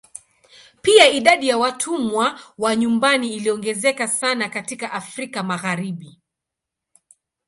Pia idadi ya watumwa wa nyumbani iliongezeka sana katika Afrika Magharibi.